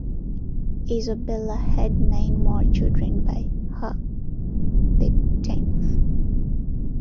Isabella had nine more children by Hugh the Tenth.